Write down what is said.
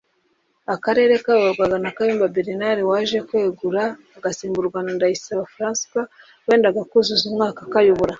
Akarere kayoborwaga na Kayumba Bernard waje kwegura agasimburwa na Ndayisaba Francois wendaga kuzuza umwaka akayobora